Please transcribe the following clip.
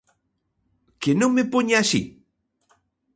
Que non me poña así?